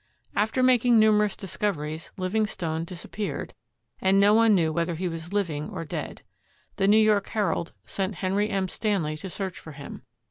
After making numerous discoveries, Living stone disappeared, and no one knew whether he was living or dead. The New York "Herald" sent Henry M. Stanley to search for him.